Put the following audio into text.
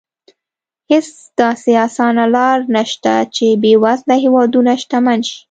هېڅ داسې اسانه لار نه شته چې بېوزله هېوادونه شتمن شي.